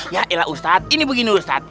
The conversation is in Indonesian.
ya elah ustad ini begini ustad